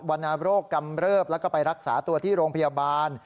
รณโรคกำเริบแล้วก็ไปรักษาตัวที่โรงพยาบาล